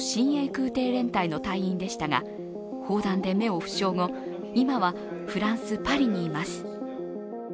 空挺連隊の隊員でしたが、砲弾で目を負傷後、今はフランス・パリにいます。